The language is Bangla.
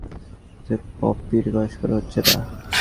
কিন্তু শুটিং শুরু হলে জানা গেল, ছবিটিতে পপির কাজ করা হচ্ছে না।